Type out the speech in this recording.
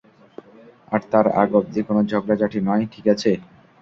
আর তার আগ অবধি কোনো ঝগড়াঝাঁটি নয়, ঠিক আছে?